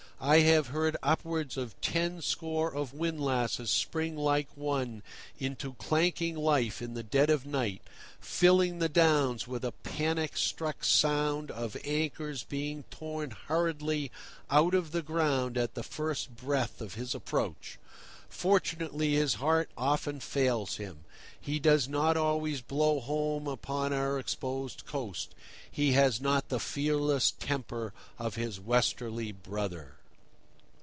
I have heard upwards of ten score of windlasses spring like one into clanking life in the dead of night, filling the Downs with a panic struck sound of anchors being torn hurriedly out of the ground at the first breath of his approach. Fortunately, his heart often fails him: he does not always blow home upon our exposed coast; he has not the fearless temper of his Westerly brother.